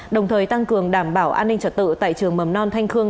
đồng thời tăng cường đảm bảo an ninh trật tự tại trường mầm non thanh khương